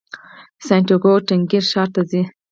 سانتیاګو تنګیر ښار ته ځي.